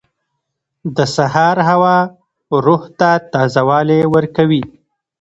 • د سهار هوا روح ته تازه والی ورکوي.